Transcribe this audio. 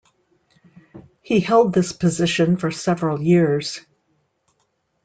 He held this position for several years.